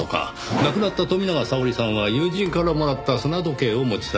亡くなった富永沙織さんは友人からもらった砂時計を持ち去られています。